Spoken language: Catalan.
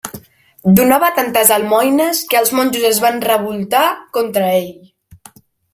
Donava tantes almoines que els monjos es van revoltar contra ell.